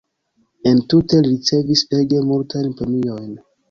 Entute li ricevis ege multajn premiojn.